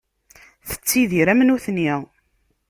Tettidir am nutni.